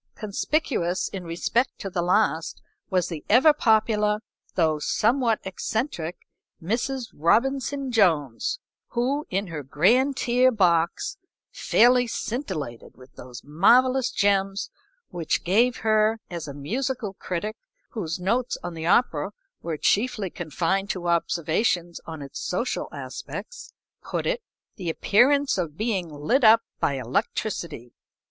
Conspicuous in respect to the last was the ever popular, though somewhat eccentric Mrs. Robinson Jones, who in her grand tier box fairly scintillated with those marvellous gems which gave her, as a musical critic, whose notes on the opera were chiefly confined to observations on its social aspects, put it, "the appearance of being lit up by electricity."